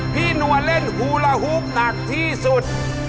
นัวเล่นฮูลาฮุบหนักที่สุด